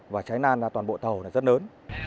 và cháy nan toàn bộ tàu rất lớn